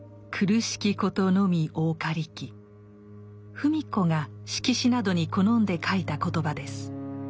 芙美子が色紙などに好んで書いた言葉です。